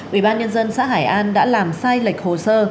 ủy ban nhân dân xã hải an đã làm sai lệch hồ sơ